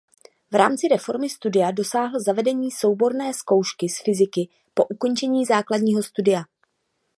V rámci reformy studia dosáhl zavedení souborné zkoušky z fyziky po ukončení základního studia.